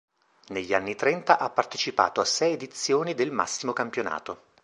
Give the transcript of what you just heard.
Negli anni trenta ha partecipato a sei edizioni del massimo campionato.